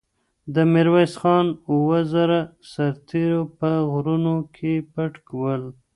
د میرویس خان اوه زره سرتېري په غرونو کې پټ ول.